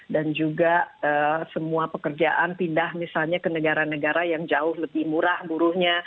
dan juga semua pekerjaan pindah misalnya ke negara negara yang jauh lebih murah buruhnya